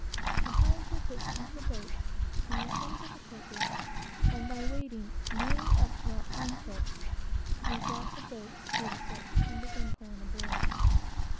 The hides were pitched into the boats; and, with some difficulty, and by wading nearly up to our armpits, we got the boats through the surf, and began pulling aboard.